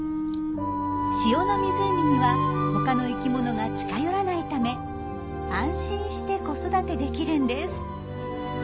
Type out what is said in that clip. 塩の湖には他の生きものが近寄らないため安心して子育てできるんです。